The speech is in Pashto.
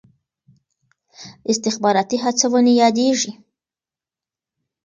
استخباراتي هڅونې یادېږي.